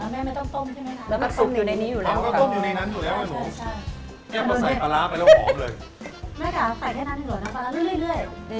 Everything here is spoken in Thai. ไม่ต้องใส่แค่นั้นเลยเหรอนะปลาร้าเรื่อย